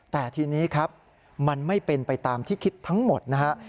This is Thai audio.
แต่ทีนี้ครับมันไม่เป็นไปตามที่คิดทั้งหมดนะฮะ